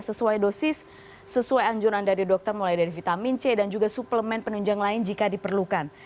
sesuai dosis sesuai anjuran dari dokter mulai dari vitamin c dan juga suplemen penunjang lain jika diperlukan